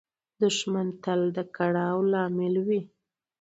دښمن تل د کړاو لامل وي